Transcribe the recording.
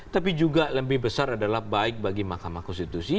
tapi juga lebih besar adalah baik bagi mahkamah konstitusi